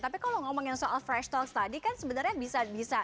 tapi kalau ngomongin soal fresh talks tadi kan sebenarnya bisa